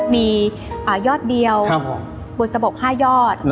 มียอดเดียวบุษบก๕ยอด